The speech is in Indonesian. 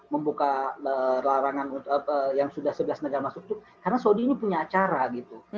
membuka larangan yang sudah sebelas negara masuk itu karena saudi ini punya acara gitu